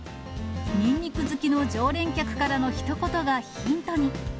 ニンニク好きの常連客からのひと言がヒントに。